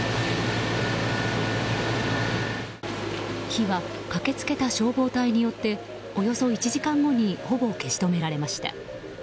火は駆けつけた消防隊によっておよそ１時間後にほぼ消し止められました。